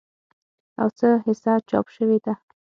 او څه حصه چاپ شوې ده